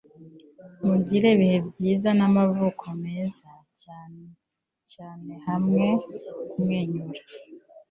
mugire ibihe byiza n'amavuko meza cyane hamwe kumwenyura